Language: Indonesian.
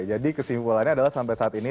jadi kesimpulannya adalah sampai saat ini